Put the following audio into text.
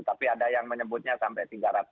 tapi ada yang menyebutnya sampai tiga ratus